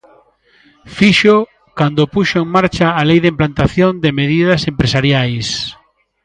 Fíxoo cando puxo en marcha a Lei de implantación de medidas empresariais.